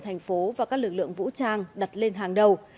thành phố và các lực lượng vũ trang đặt lên hàng đầu